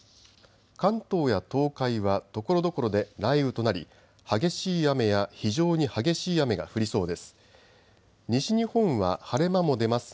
関東や東海はところどころで雷雨となり激しい雨や非常に激しい雨が降りそうです。